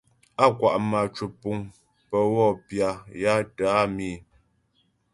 Á kwa' mâ cwəpuŋ pə wɔ pya ya tə́ á mǐ̃.